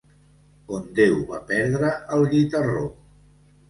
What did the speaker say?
On Déu va perdre el guitarró.